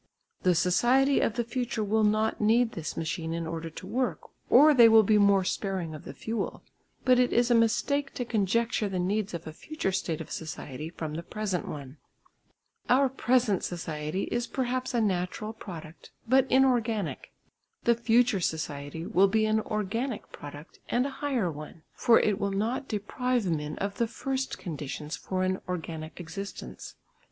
The society of the future will not need this machine in order to work or they will be more sparing of the fuel. But it is a mistake to conjecture the needs of a future state of society from the present one. Our present society is perhaps a natural product, but inorganic; the future society will be an organic product and a higher one, for it will not deprive men of the first conditions for an organic existence.